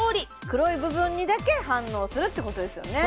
黒い部分にだけ反応するってことですよね